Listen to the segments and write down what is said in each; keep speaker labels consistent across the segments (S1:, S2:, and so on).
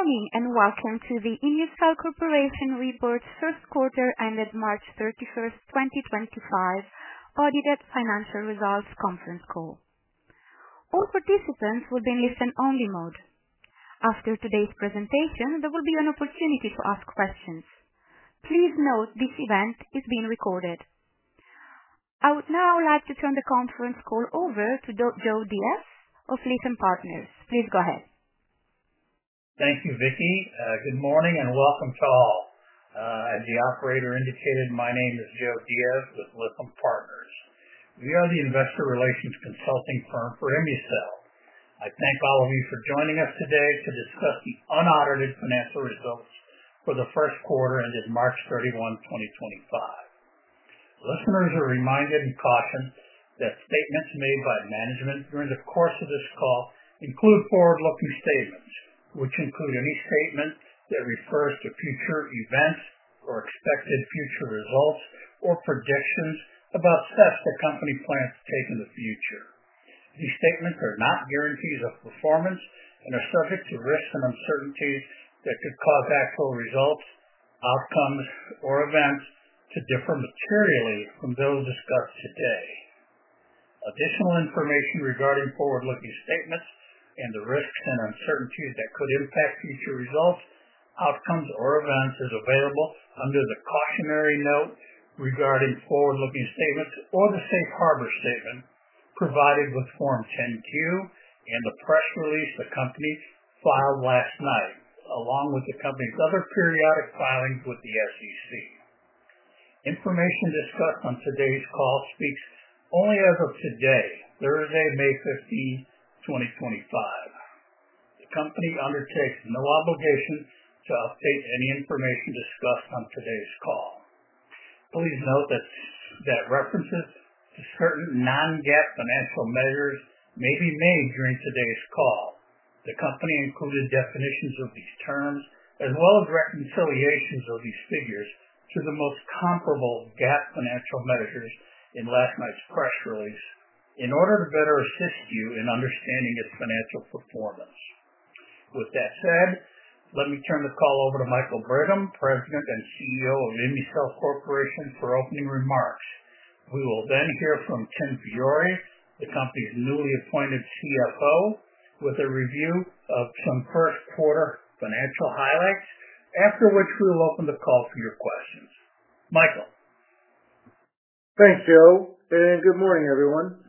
S1: Good morning and welcome to the ImmuCell Corporation Reports First quarter ended March 31, 2025, audited Financial Results Conference Call. All participants will be in listen-only mode. After today's presentation, there will be an opportunity to ask questions. Please note this event is being recorded. I would now like to turn the conference call over to Joe Diaz of Lytham Partners. Please go ahead.
S2: Thank you, Vicky. Good morning and welcome to all. As the operator indicated, my name is Joe Diaz with Lytham Partners. We are the investor relations consulting firm for ImmuCell. I thank all of you for joining us today to discuss the unaudited financial results for the 1st quarter ended March 31, 2025. Listeners are reminded and cautioned that statements made by management during the course of this call include forward-looking statements, which include any statement that refers to future events or expected future results or predictions about steps the company plans to take in the future. These statements are not guarantees of performance and are subject to risks and uncertainties that could cause actual results, outcomes, or events to differ materially from those discussed today. Additional information regarding forward-looking statements and the risks and uncertainties that could impact future results, outcomes, or events is available under the cautionary note regarding forward-looking statements or the safe harbor statement provided with Form 10Q and the press release the company filed last night, along with the company's other periodic filings with the SEC. Information discussed on today's call speaks only as of today, Thursday, May 15, 2025. The company undertakes no obligation to update any information discussed on today's call. Please note that references to certain non-GAAP financial measures may be made during today's call. The company included definitions of these terms as well as reconciliations of these figures to the most comparable GAAP financial measures in last night's press release in order to better assist you in understanding its financial performance. With that said, let me turn the call over to Michael Brigham, President and CEO of ImmuCell Corporation, for opening remarks. We will then hear from Tim Fiori, the company's newly appointed CFO, with a review of some 1st quarter financial highlights, after which we will open the call for your questions. Michael.
S3: Thanks, Joe, and good morning, everyone.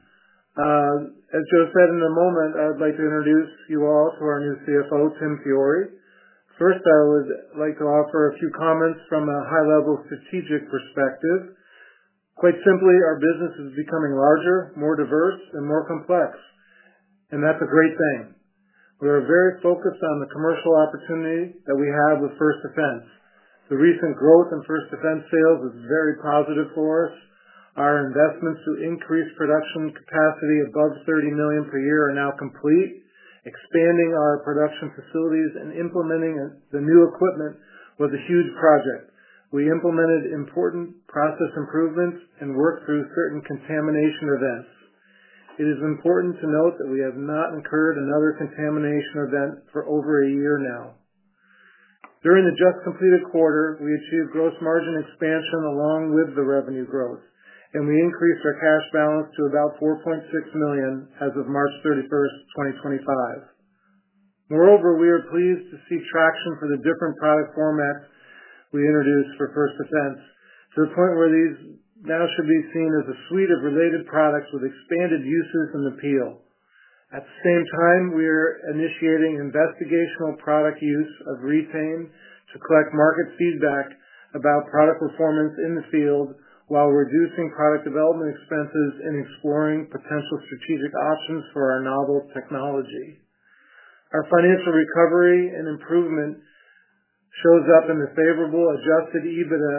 S3: As Joe said, in a moment, I'd like to introduce you all to our new CFO, Tim Fiori. First, I would like to offer a few comments from a high-level strategic perspective. Quite simply, our business is becoming larger, more diverse, and more complex, and that's a great thing. We are very focused on the commercial opportunity that we have with First Defense. The recent growth in First Defense sales is very positive for us. Our investments to increase production capacity above $30 million per year are now complete. Expanding our production facilities and implementing the new equipment was a huge project. We implemented important process improvements and worked through certain contamination events. It is important to note that we have not incurred another contamination event for over a year now. During the just-completed quarter, we achieved gross margin expansion along with the revenue growth, and we increased our cash balance to about $4.6 million as of March 31, 2025. Moreover, we are pleased to see traction for the different product formats we introduced for First Defense to the point where these now should be seen as a suite of related products with expanded uses and appeal. At the same time, we are initiating investigational product use of Re-Tain to collect market feedback about product performance in the field while reducing product development expenses and exploring potential strategic options for our novel technology. Our financial recovery and improvement shows up in the favorable adjusted EBITDA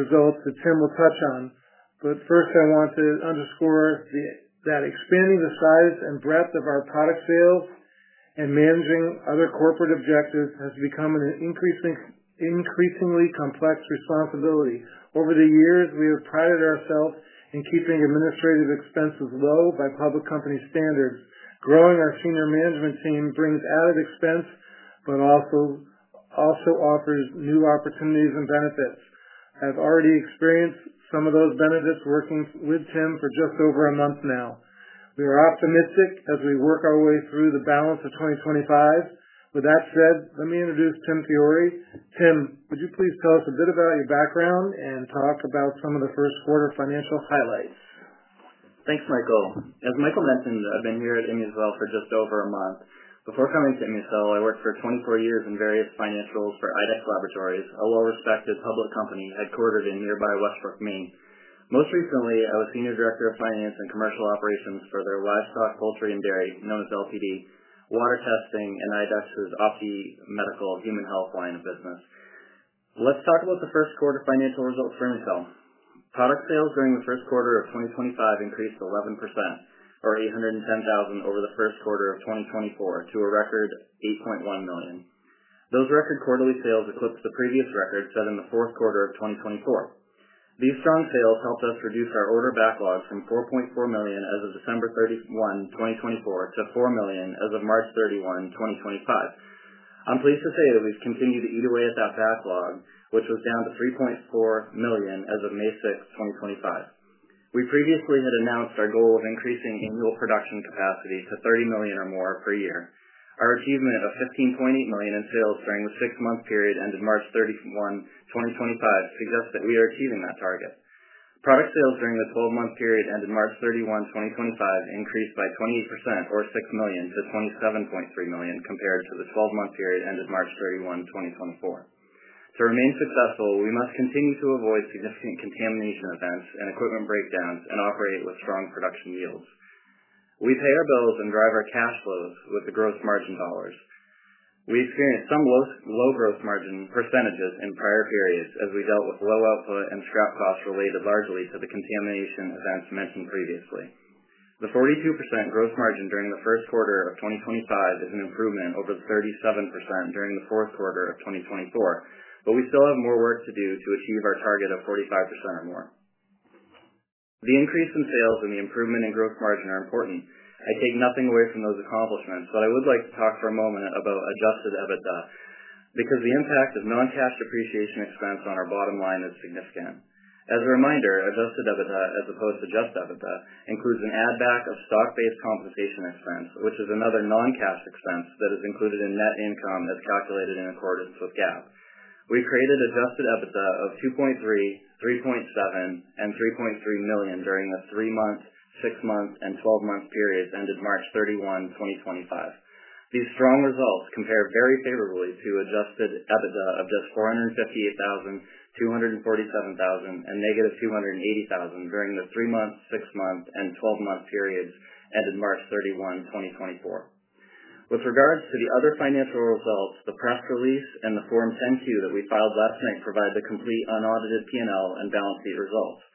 S3: results that Tim will touch on, but first, I want to underscore that expanding the size and breadth of our product sales and managing other corporate objectives has become an increasingly complex responsibility. Over the years, we have prided ourselves in keeping administrative expenses low by public company standards. Growing our senior management team brings added expense but also offers new opportunities and benefits. I've already experienced some of those benefits working with Tim for just over a month now. We are optimistic as we work our way through the balance of 2025. With that said, let me introduce Tim Fiori. Tim, would you please tell us a bit about your background and talk about some of the 1st quarter financial highlights?
S4: Thanks, Michael. As Michael mentioned, I've been here at ImmuCell for just over a month. Before coming to ImmuCell, I worked for 24 years in various financials for IDEX Laboratories, a well-respected public company headquartered in nearby Westbrook, Maine. Most recently, I was Senior Director of Finance and Commercial Operations for their livestock poultry and dairy, known as LPD, water testing, and IDEX's OPSI medical human health line of business. Let's talk about the 1st quarter financial results for ImmuCell. Product sales during the 1st quarter of 2025 increased 11%, or $810,000, over thest quarter of 2024 to a record $8.1 million. Those record quarterly sales eclipsed the previous record set in the 4th quarter of 2024. These strong sales helped us reduce our order backlog from $4.4 million as of December 31, 2024, to $4 million as of March 31, 2025. I'm pleased to say that we've continued to eat away at that backlog, which was down to $3.4 million as of May 6, 2025. We previously had announced our goal of increasing annual production capacity to $30 million or more per year. Our achievement of $15.8 million in sales during the six-month period ended March 31, 2025, suggests that we are achieving that target. Product sales during the 12-month period ended March 31, 2025, increased by 28%, or $6 million, to $27.3 million compared to the 12-month period ended March 31, 2024. To remain successful, we must continue to avoid significant contamination events and equipment breakdowns and operate with strong production yields. We pay our bills and drive our cash flows with the gross margin dollars. We experienced some low gross margin percentages in prior periods as we dealt with low output and scrap costs related largely to the contamination events mentioned previously. The 42% gross margin during the 1st quarter of 2025 is an improvement over the 37% during the 4th quarter of 2024, but we still have more work to do to achieve our target of 45% or more. The increase in sales and the improvement in gross margin are important. I take nothing away from those accomplishments, but I would like to talk for a moment about adjusted EBITDA because the impact of non-cash depreciation expense on our bottom line is significant. As a reminder, adjusted EBITDA, as opposed to just EBITDA, includes an add-back of stock-based compensation expense, which is another non-cash expense that is included in net income as calculated in accordance with GAAP. We created adjusted EBITDA of $2.3 million, $3.7 million, and $3.3 million during the three-month, six-month, and 12-month periods ended March 31, 2025. These strong results compare very favorably to adjusted EBITDA of just $458,000, $247,000, and negative $280,000 during the three-month, six-month, and 12-month periods ended March 31, 2024. With regards to the other financial results, the press release and the Form 10-Q that we filed last night provide the complete unaudited P&L and balance sheet results.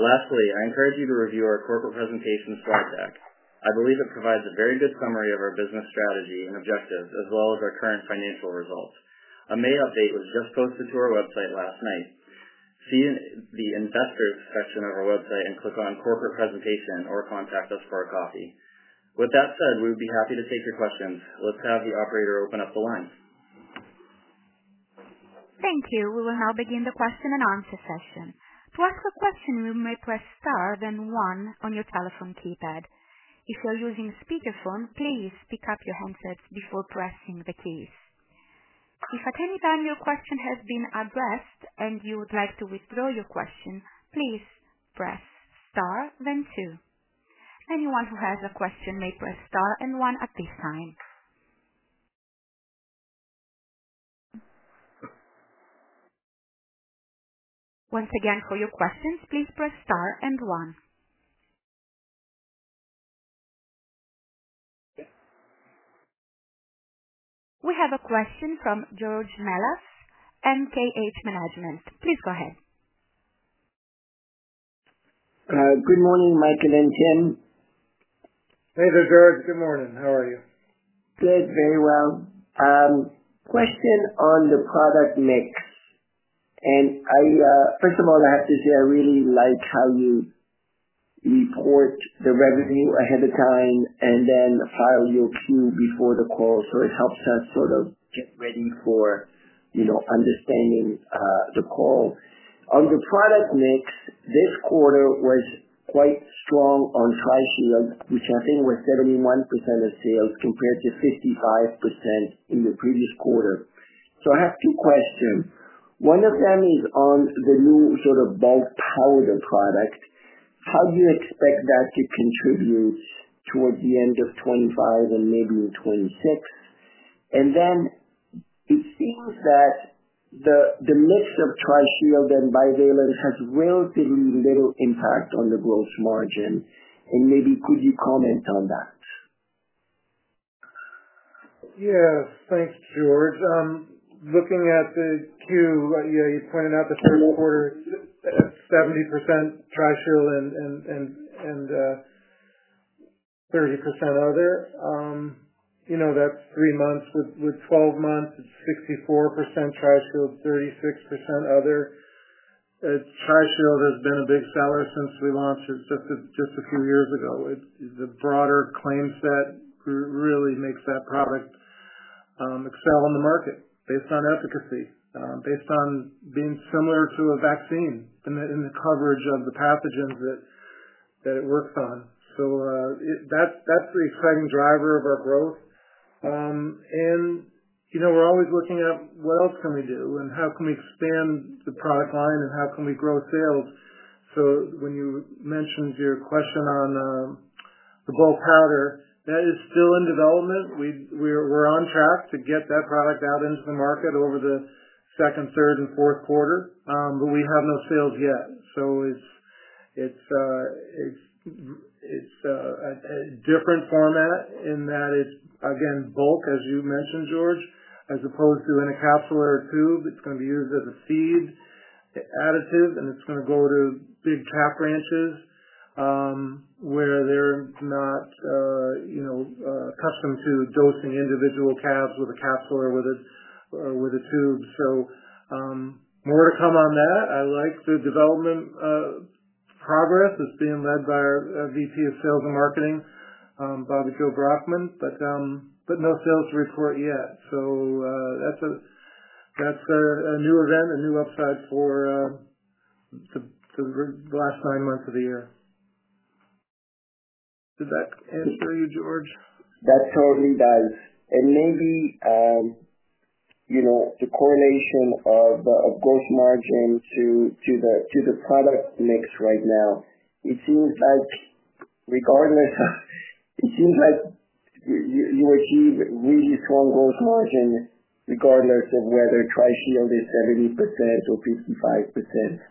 S4: Lastly, I encourage you to review our corporate presentation, Startech. I believe it provides a very good summary of our business strategy and objectives, as well as our current financial results. A May update was just posted to our website last night. See the investors section of our website and click on corporate presentation or contact us for a copy. With that said, we would be happy to take your questions. Let's have the operator open up the line.
S1: Thank you. We will now begin the question and answer session. To ask a question, you may press star then one on your telephone keypad. If you're using speakerphone, please pick up your handsets before pressing the keys. If at any time your question has been addressed and you would like to withdraw your question, please press star then two. Anyone who has a question may press star and one at this time. Once again, for your questions, please press star and one. We have a question from George Melas, MKH Management. Please go ahead.
S5: Good morning, Michael and Tim.
S3: Hey there, George. Good morning. How are you?
S5: Good. Very well. Question on the product mix. First of all, I have to say I really like how you report the revenue ahead of time and then file your Q before the call. It helps us sort of get ready for understanding the call. On the product mix, this quarter was quite strong on TriShield, which I think was 71% of sales compared to 55% in the previous quarter. I have two questions. One of them is on the new sort of bulk powder product. How do you expect that to contribute towards the end of 2025 and maybe in 2026? It seems that the mix of TriShield and Byvale has relatively little impact on the gross margin. Maybe could you comment on that?
S3: Yeah. Thanks, George. Looking at the queue, you pointed out the 1st quarter at 70% TriShield and 30% other. That's three months. With 12 months, it's 64% TriShield, 36% other. TriShield has been a big seller since we launched just a few years ago. The broader claim set really makes that product excel in the market based on efficacy, based on being similar to a vaccine in the coverage of the pathogens that it works on. That is the exciting driver of our growth. We are always looking at what else can we do and how can we expand the product line and how can we grow sales. When you mentioned your question on the bulk powder, that is still in development. We are on track to get that product out into the market over the second, third, and fourth quarter, but we have no sales yet. It's a different format in that it's, again, bulk, as you mentioned, George, as opposed to in a capsule or a tube. It's going to be used as a seed additive, and it's going to go to big cap ranches where they're not accustomed to dosing individual calves with a capsule or with a tube. More to come on that. I like the development progress. It's being led by our VP of Sales and Marketing, Bobbi Jo Brockmann, but no sales report yet. That's a new event, a new upside for the last nine months of the year. Did that answer you, George?
S5: That totally does. Maybe the correlation of gross margin to the product mix right now, it seems like regardless, it seems like you achieve really strong gross margin regardless of whether TriShield is 70% or 55%.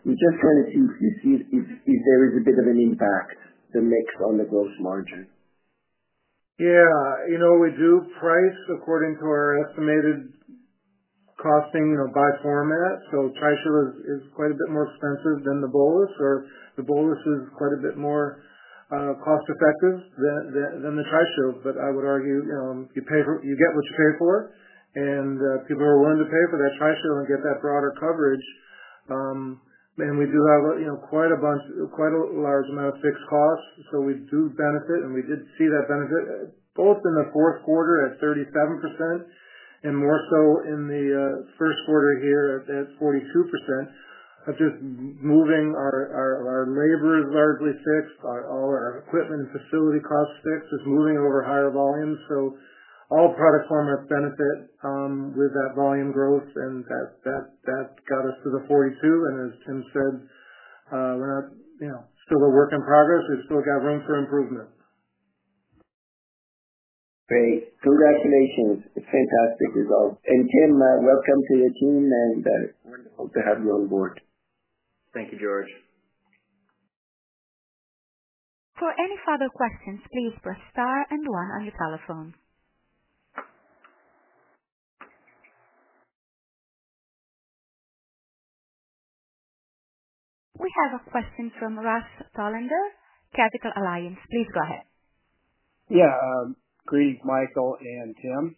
S5: We're just trying to see if there is a bit of an impact, the mix on the gross margin.
S3: Yeah. We do price according to our estimated costing by format. TriShield is quite a bit more expensive than the Bolus, or the Bolus is quite a bit more cost-effective than the TriShield. I would argue you get what you pay for, and people are willing to pay for that TriShield and get that broader coverage. We do have quite a large amount of fixed costs, so we do benefit, and we did see that benefit both in the fourth quarter at 37% and more so in the first quarter here at 42%. Just moving our labor is largely fixed. All our equipment and facility costs fixed is moving over higher volumes. All product formats benefit with that volume growth, and that got us to the 42%. As Tim said, we're still a work in progress. We've still got room for improvement.
S5: Great. Congratulations. It's fantastic results. Tim, welcome to the team, and wonderful to have you on board.
S4: Thank you, George.
S1: For any further questions, please press star and one on your telephone. We have a question from Russ Tolander, Capital Alliance. Please go ahead.
S6: Yeah. Greetings, Michael and Tim.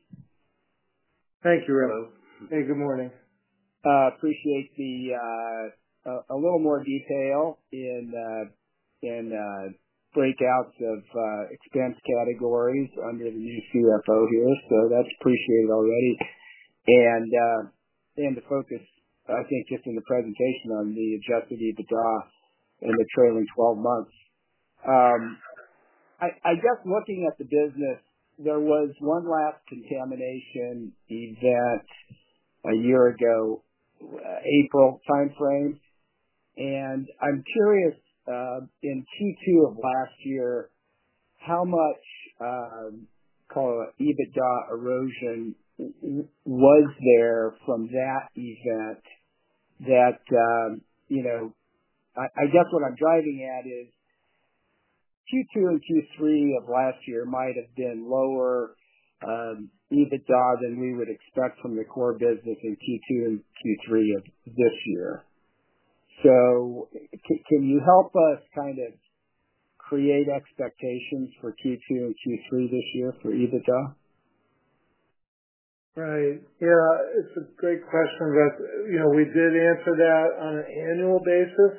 S3: Thank you, Russell. Hey, good morning.
S6: Appreciate a little more detail in breakouts of expense categories under the new CFO here. That's appreciated already. The focus, I think, just in the presentation on the adjusted EBITDA and the trailing 12 months. I guess looking at the business, there was one last contamination event a year ago, April timeframe. I'm curious, in Q2 of last year, how much EBITDA erosion was there from that event? I guess what I'm driving at is Q2 and Q3 of last year might have been lower EBITDA than we would expect from the core business in Q2 and Q3 of this year. Can you help us kind of create expectations for Q2 and Q3 this year for EBITDA?
S3: Right. Yeah. It's a great question, but we did answer that on an annual basis.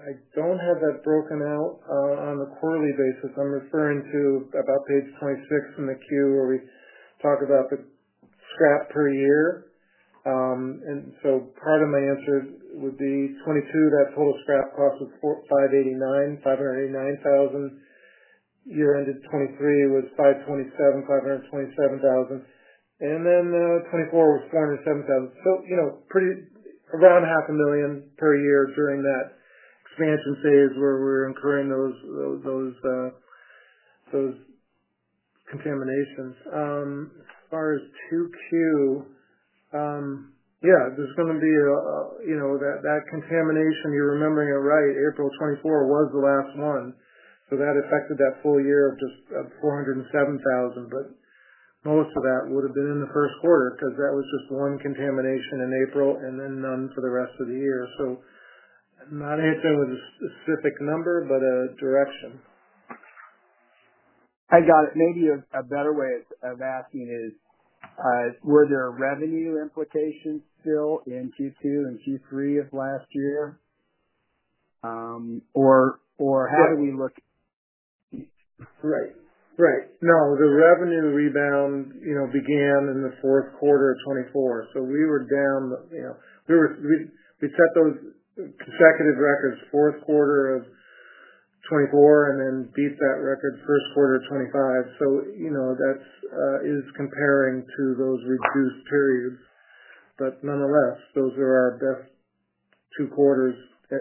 S3: I don't have that broken out on a quarterly basis. I'm referring to about page 26 in the queue where we talk about the scrap per year. Part of my answer would be '22, that total scrap cost was $589,000. Year-ended '23 was $527,000. Then '24 was $407,000. So around $500,000 per year during that expansion phase where we're incurring those contaminations. As far as Q2, yeah, there's going to be that contamination. You're remembering it right. April '24 was the last one. That affected that full year of just $407,000. Most of that would have been in the first quarter because that was just one contamination in April and then none for the rest of the year. I'm not answering with a specific number, but a direction.
S6: I got it. Maybe a better way of asking is, were there revenue implications still in Q2 and Q3 of last year? Or how do we look?
S3: Right. Right. No, the revenue rebound began in the fourth quarter of 2024. So we were down. We set those consecutive records 4th quarter of '24 and then beat that record first quarter of '25. So that is comparing to those reduced periods. But nonetheless, those are our best two quarters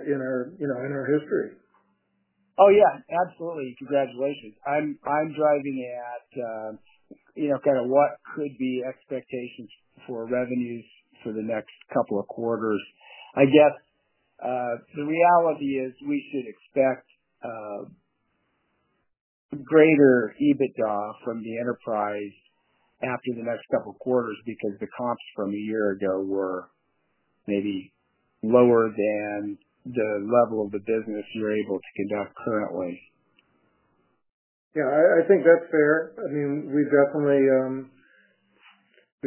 S3: in our history.
S6: Oh, yeah. Absolutely. Congratulations. I'm driving at kind of what could be expectations for revenues for the next couple of quarters. I guess the reality is we should expect greater EBITDA from the enterprise after the next couple of quarters because the comps from a year ago were maybe lower than the level of the business you're able to conduct currently.
S3: Yeah. I think that's fair. I mean, we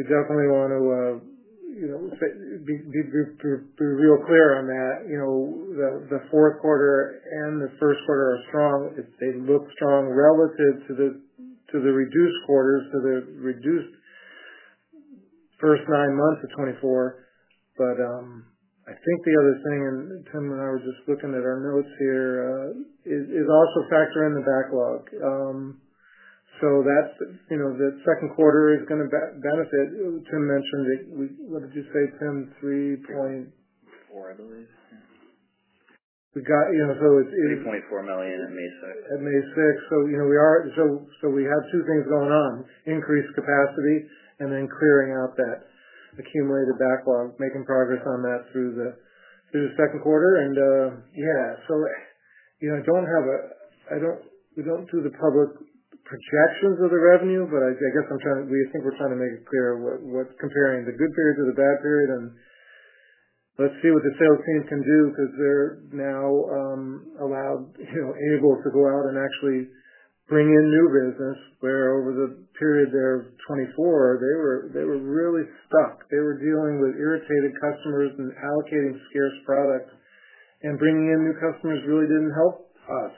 S3: definitely want to be real clear on that. The 4th quarter and the 1st quarter are strong. They look strong relative to the reduced quarters, to the reduced first nine months of 2024. I think the other thing, and Tim and I were just looking at our notes here, is also factor in the backlog. That second quarter is going to benefit. Tim mentioned that we—what did you say, Tim?
S4: 3.4, I believe.
S3: We got so it's.
S4: $3.4 million at May 6th.
S3: At May 6th. We have two things going on: increased capacity and then clearing out that accumulated backlog, making progress on that through the 2nd quarter. Yeah. I do not have a—we do not do the public projections of the revenue, but I guess I am trying to—we think we are trying to make it clear what is comparing the good period to the bad period. Let us see what the sales team can do because they are now allowed, able to go out and actually bring in new business, where over the period there of 2024, they were really stuck. They were dealing with irritated customers and allocating scarce products. Bringing in new customers really did not help us.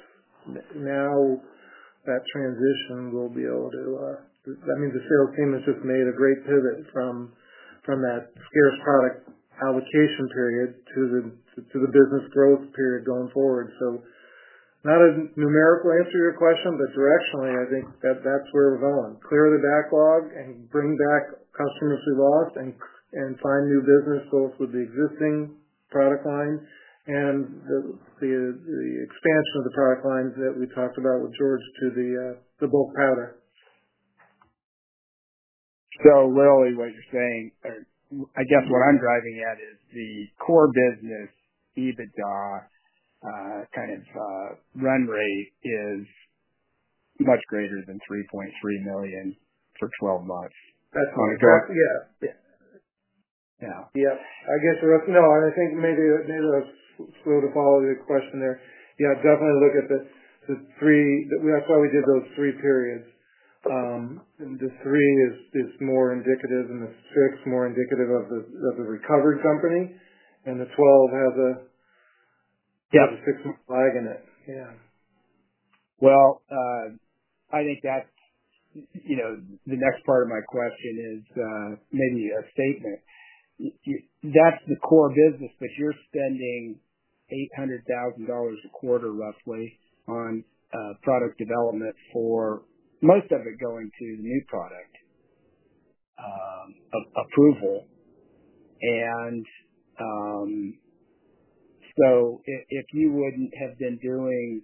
S3: Now that transition will be able to—that means the sales team has just made a great pivot from that scarce product allocation period to the business growth period going forward. Not a numerical answer to your question, but directionally, I think that that's where we're going: clear the backlog and bring back customers we lost and find new business both with the existing product line and the expansion of the product lines that we talked about with George to the bulk powder.
S6: Literally what you're saying, I guess what I'm driving at is the core business EBITDA kind of run rate is much greater than $3.3 million for 12 months.
S3: That's exactly it. Yeah. Yeah. Yep. I guess, no, I think maybe that's a slew to follow the question there. Yeah. Definitely look at the three—that's why we did those three periods. And the three is more indicative, and the six more indicative of the recovered company. And the 12 has a six-month lag in it. Yeah.
S6: I think that's the next part of my question is maybe a statement. That's the core business, but you're spending $800,000 a quarter roughly on product development for most of it going to the new product approval. And so if you wouldn't have been doing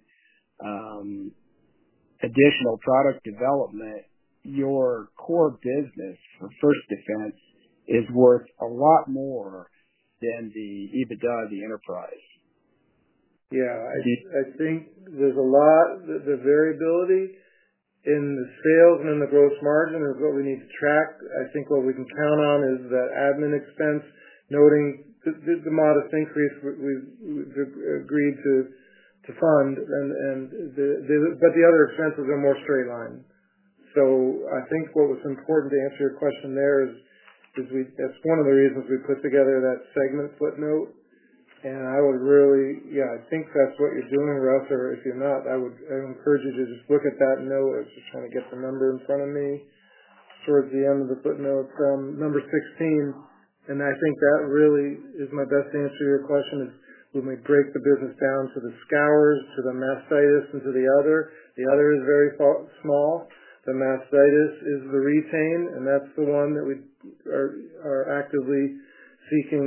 S6: additional product development, your core business for First Defense is worth a lot more than the EBITDA of the enterprise.
S3: Yeah. I think there's a lot of variability in the sales and in the gross margin is what we need to track. I think what we can count on is that admin expense noting the modest increase we've agreed to fund. The other expenses are more straight line. I think what was important to answer your question there is that's one of the reasons we put together that segment footnote. I would really—yeah, I think that's what you're doing, Russ. If you're not, I would encourage you to just look at that note. I was just trying to get the number in front of me towards the end of the footnote from number 16. I think that really is my best answer to your question is when we break the business down to the scours, to the mastitis, and to the other. The other is very small. The mastitis is the Re-Tain, and that's the one that we are actively seeking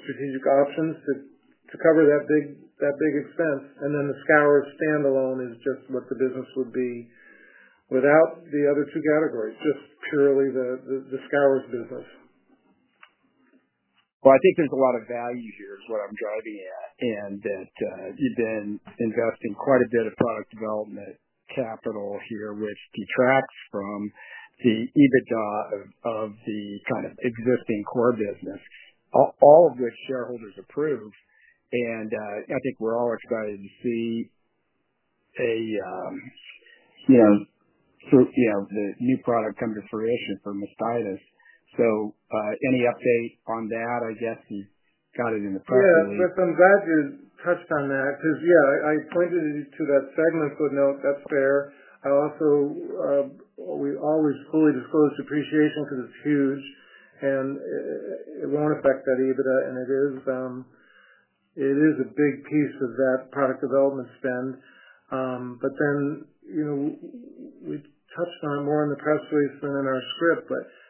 S3: strategic options to cover that big expense. Then the scour standalone is just what the business would be without the other two categories, just purely the scour business.
S6: I think there's a lot of value here is what I'm driving at, and that you've been investing quite a bit of product development capital here, which detracts from the EBITDA of the kind of existing core business, all of which shareholders approve. I think we're all excited to see the new product come to fruition for mastitis. Any update on that? I guess you got it in the press.
S3: Yeah. I'm glad you touched on that because, yeah, I pointed to that segment footnote. That's fair. We always fully disclose depreciation because it's huge, and it won't affect that EBITDA. And it is a big piece of that product development spend. We touched on it more in the press release than in our script.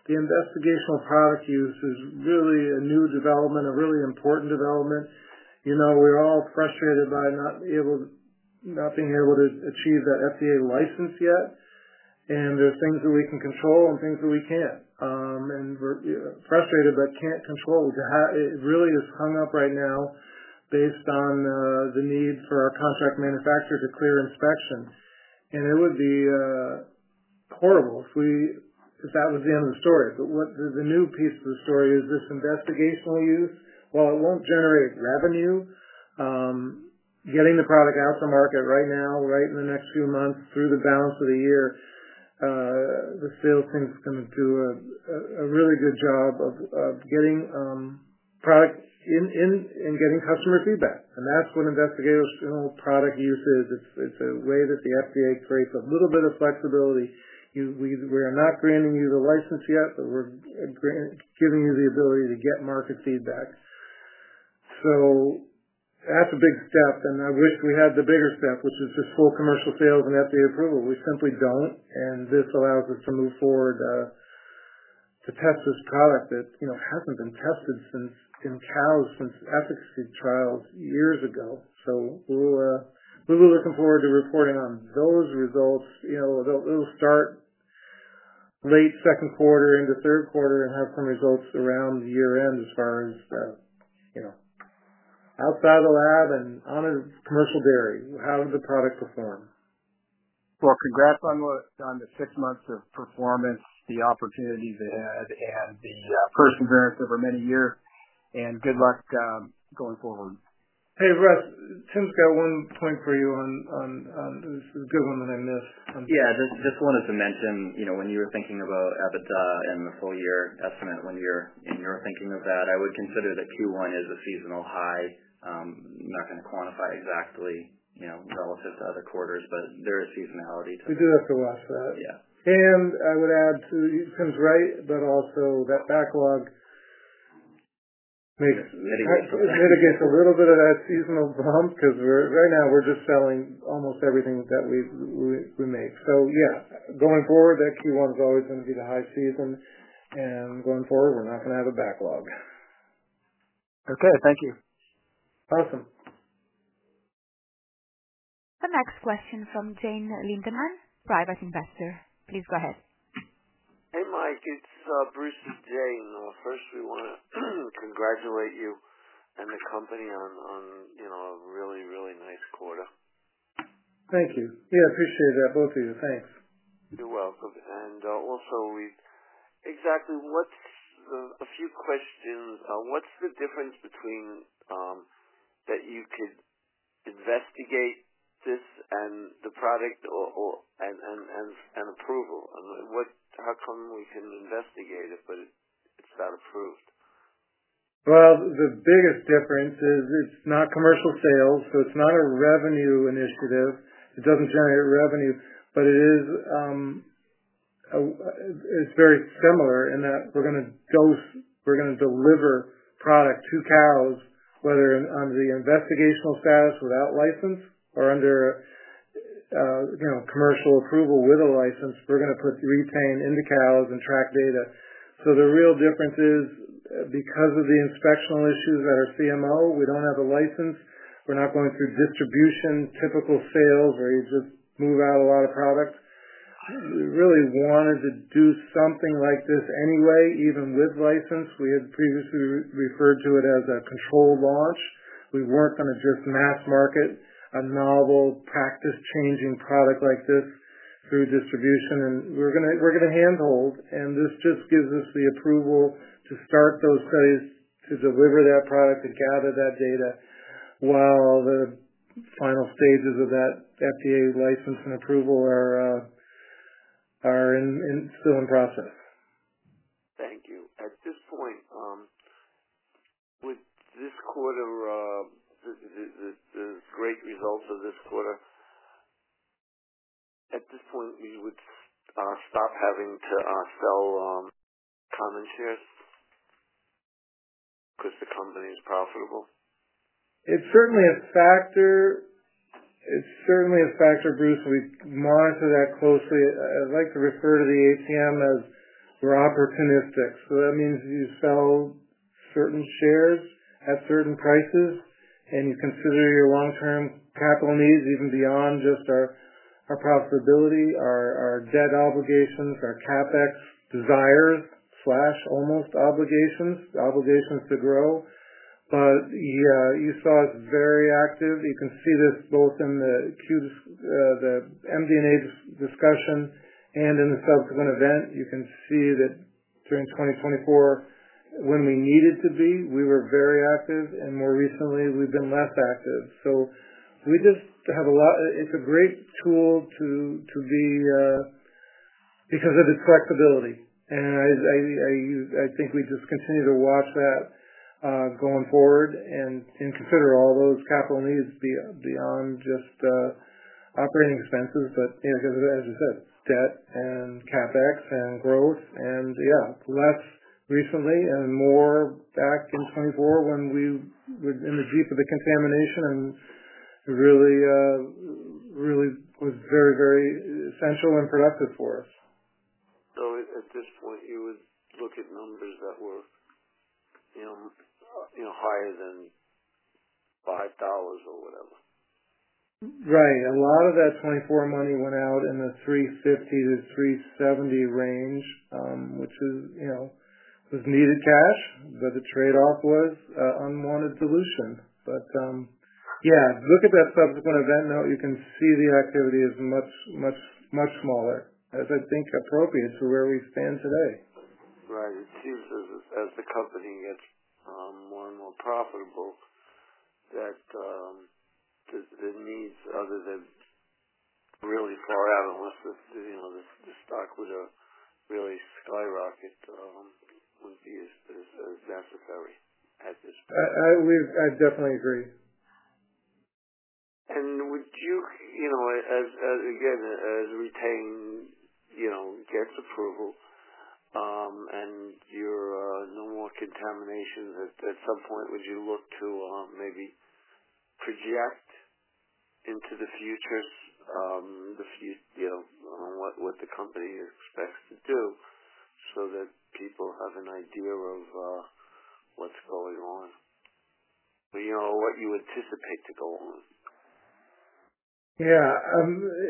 S3: The investigational product use is really a new development, a really important development. We're all frustrated by not being able to achieve that FDA license yet. There are things that we can control and things that we can't. We're frustrated but can't control. It really is hung up right now based on the need for our contract manufacturer to clear inspection. It would be horrible if that was the end of the story. The new piece of the story is this investigational use. While it won't generate revenue, getting the product out to market right now, right in the next few months through the balance of the year, the sales team is going to do a really good job of getting product in and getting customer feedback. That's what investigational product use is. It's a way that the FDA creates a little bit of flexibility. We are not granting you the license yet, but we're giving you the ability to get market feedback. That's a big step. I wish we had the bigger step, which is just full commercial sales and FDA approval. We simply don't. This allows us to move forward to test this product that hasn't been tested in cows since efficacy trials years ago. We'll be looking forward to reporting on those results. It'll start late 2nd quarter into 3rd quarter and have some results around year-end as far as outside of the lab and on a commercial dairy. How did the product perform?
S6: Congrats on the six months of performance, the opportunities ahead, and the first advance over many years. Good luck going forward.
S3: Hey, Russ, Tim's got one point for you on this good one that I missed.
S4: Yeah. Just wanted to mention when you were thinking about EBITDA and the full-year estimate when you're thinking of that, I would consider that Q1 is a seasonal high. I'm not going to quantify exactly relative to other quarters, but there is seasonality to that.
S3: We do have to watch that. I would add to Tim's right, but also that backlog.
S4: Mitigates the price.
S3: Mitigates a little bit of that seasonal bump because right now we're just selling almost everything that we make. Yeah, going forward, that Q1 is always going to be the high season. Going forward, we're not going to have a backlog.
S6: Okay. Thank you.
S3: Awesome.
S1: The next question from Jane Lindemann, Private Investor. Please go ahead.
S7: Hey, Mike. It's Bruce and Jane. First, we want to congratulate you and the company on a really, really nice quarter.
S3: Thank you. Yeah. I appreciate that, both of you. Thanks.
S7: You're welcome. Also, exactly what's a few questions. What's the difference that you could investigate this and the product and approval? How come we can investigate it, but it's not approved?
S3: The biggest difference is it's not commercial sales. It's not a revenue initiative. It doesn't generate revenue. It's very similar in that we're going to dose, we're going to deliver product to cows, whether under the investigational status without license or under commercial approval with a license. We're going to put Re-Tain into cows and track data. The real difference is because of the inspectional issues at our CMO, we don't have a license. We're not going through distribution, typical sales where you just move out a lot of product. We really wanted to do something like this anyway, even with license. We had previously referred to it as a controlled launch. We weren't going to just mass market a novel practice-changing product like this through distribution. We're going to handhold. This just gives us the approval to start those studies to deliver that product and gather that data while the final stages of that FDA license and approval are still in process.
S7: Thank you. At this point, with this quarter, the great results of this quarter, at this point, we would stop having to sell common shares because the company is profitable?
S3: It's certainly a factor. It's certainly a factor, Bruce. We monitor that closely. I'd like to refer to the ATM as we're opportunistic. That means you sell certain shares at certain prices, and you consider your long-term capital needs even beyond just our profitability, our debt obligations, our CapEx desires, almost obligations, obligations to grow. Yeah, you saw us very active. You can see this both in the MD&A discussion and in the subsequent event. You can see that during 2024, when we needed to be, we were very active. More recently, we've been less active. We just have a lot; it's a great tool to be because of its flexibility. I think we just continue to watch that going forward and consider all those capital needs beyond just operating expenses. Yeah, because, as you said, debt and CapEx and growth. Yeah, less recently and more back in 2024 when we were in the deep of the contamination and it really was very, very essential and productive for us.
S7: At this point, you would look at numbers that were higher than $5 or whatever.
S3: Right. A lot of that '24 money went out in the $350-$370 range, which was needed cash, but the trade-off was unwanted dilution. Yeah, look at that subsequent event note. You can see the activity is much, much, much smaller, as I think appropriate to where we stand today.
S7: Right. It seems as the company gets more and more profitable that the needs other than really far out unless the stock would really skyrocket would be as necessary at this.
S3: I definitely agree.
S7: Would you, again, as Re-Tain gets approval and you're no more contamination, at some point, would you look to maybe project into the future what the company expects to do so that people have an idea of what's going on, what you anticipate to go on?
S3: Yeah.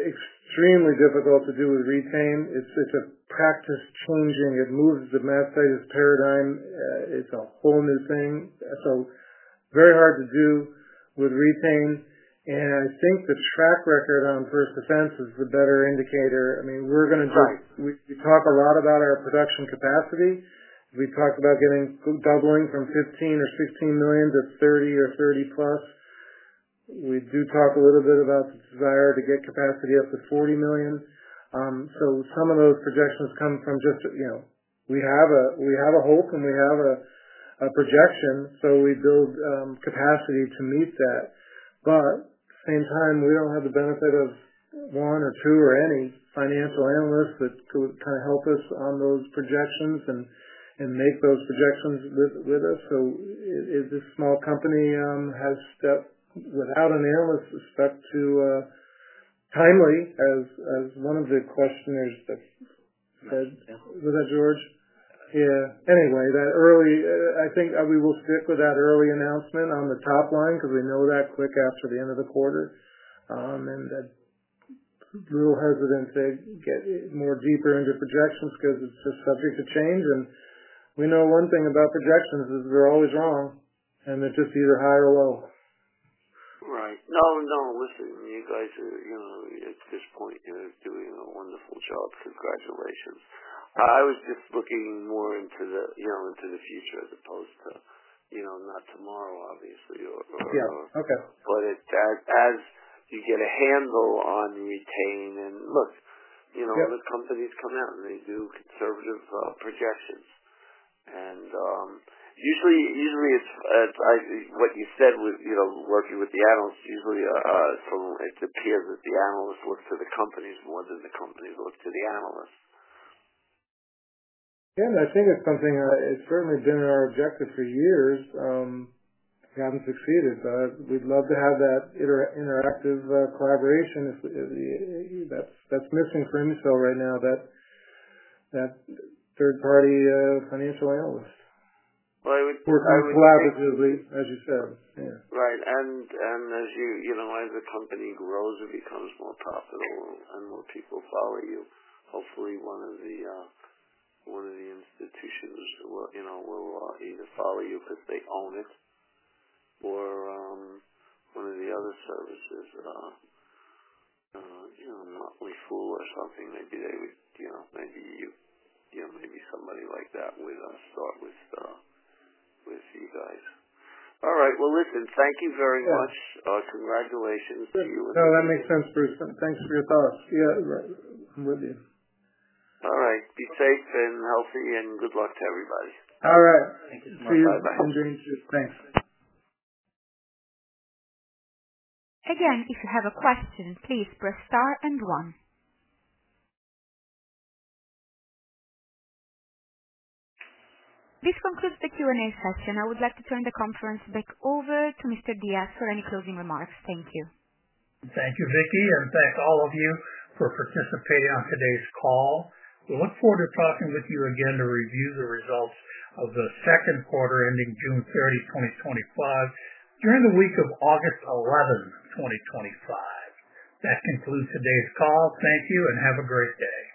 S3: Extremely difficult to do with Re-Tain. It's a practice-changing. It moves the mastitis paradigm. It's a whole new thing. Very hard to do with Re-Tain. I think the track record on First Defense is the better indicator. I mean, we talk a lot about our production capacity. We talked about doubling from $15 million or $16 million to $30 million or $30 million plus. We do talk a little bit about the desire to get capacity up to $40 million. Some of those projections come from just we have a hope and we have a projection. We build capacity to meet that. At the same time, we do not have the benefit of one or two or any financial analysts that could kind of help us on those projections and make those projections with us. This small company has stepped without an analyst, stepped too timely, as one of the questioners said. Was that George? Yeah. Anyway, I think we will stick with that early announcement on the top line because we know that quick after the end of the quarter. That's a little hesitant to get more deeper into projections because it's just subject to change. We know one thing about projections is they're always wrong, and they're just either high or low.
S7: Right. No, no. Listen, you guys are at this point doing a wonderful job. Congratulations. I was just looking more into the future as opposed to not tomorrow, obviously. As you get a handle on Re-Tain and look, the companies come out and they do conservative projections. Usually, what you said with working with the analysts, usually it appears that the analysts look to the companies more than the companies look to the analysts.
S3: Yeah. I think it's something that has certainly been our objective for years. We haven't succeeded. We'd love to have that interactive collaboration. That's missing for ImmuCell right now, that third-party financial analyst.
S7: It would.
S3: Work collaboratively, as you said. Yeah.
S7: Right. As the company grows and becomes more profitable and more people follow you, hopefully, one of the institutions will either follow you because they own it or one of the other services. I do not know. Motley Fool or something. Maybe they would, maybe you, maybe somebody like that would start with you guys. All right. Listen, thank you very much. Congratulations to you.
S3: No, that makes sense, Bruce. Thanks for your thoughts. Yeah. I'm with you.
S7: All right. Be safe and healthy and good luck to everybody.
S3: All right. Thank you so much.
S7: See you.
S3: Bye.
S7: Have a great day.
S3: Thanks.
S1: Again, if you have a question, please press star and one. This concludes the Q&A session. I would like to turn the conference back over to Mr. Diaz for any closing remarks. Thank you.
S2: Thank you, Vicky. Thank all of you for participating on today's call. We look forward to talking with you again to review the results of the second quarter ending June 30, 2025, during the week of August 11, 2025. That concludes today's call. Thank you and have a great day.